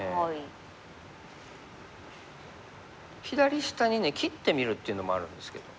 左下にね切ってみるっていうのもあるんですけど。